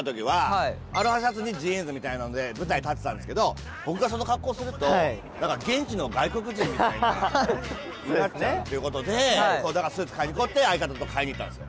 みたいなので舞台に立ってたんですけど僕がその格好をすると現地の外国人みたいになっちゃうっていう事で「スーツ買いに行こう」って相方と買いに行ったんですよ。